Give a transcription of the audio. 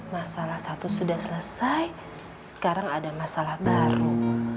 masalah satu sudah selesai sekarang ada masalah baru